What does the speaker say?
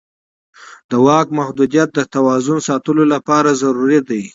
د واک محدودیت د توازن ساتلو لپاره ضروري دی